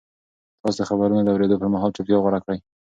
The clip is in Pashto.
تاسو د خبرونو د اورېدو پر مهال چوپتیا غوره کړئ.